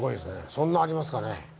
そんなありますかね。